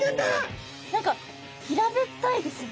何か平べったいですね。